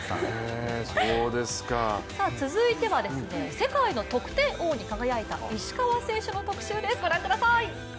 続いては世界の得点王に輝いた石川選手の特集です。